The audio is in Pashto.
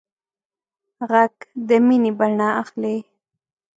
غږ د مینې بڼه اخلي